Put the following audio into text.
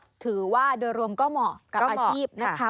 ถือว่าโดยรวมก็เหมาะกับอาชีพนะคะ